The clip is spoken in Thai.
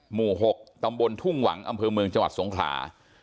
หมู่๖ตำบลทุ่งหวังอำเภอเมืองจังหวัดสงขลา